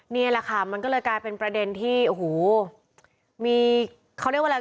นี่แหละค่ะมันก็เลยกลายเป็นประเด็นที่โอ้โหมีเขาเรียกว่าอะไร